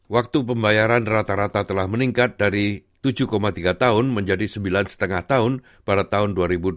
waktu pembayaran rata rata telah meningkat dari tujuh tiga tahun menjadi sembilan lima tahun pada tahun dua ribu dua puluh satu dua ribu dua puluh dua